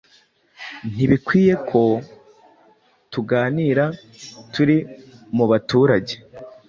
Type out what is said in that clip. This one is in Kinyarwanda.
Ntibikwiye ko tuganira turi mubaturage